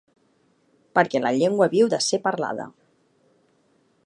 Perquè la llengua viu de ser parlada.